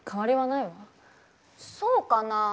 そうかな。